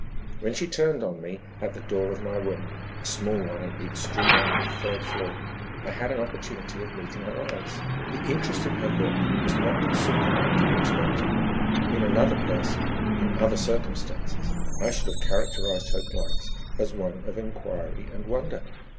When she turned on me at the door of my room, a small one at the extreme end of the third floor, I had an opportunity of meeting her eyes. The interest in her look was not the simple one to be expected. In another person in other circumstances I should have characterized her glance as one of inquiry and wonder.